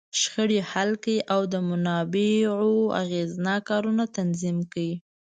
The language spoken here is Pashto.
شخړې حل کړي، او د منابعو اغېزناک کارونه تنظیم کړي.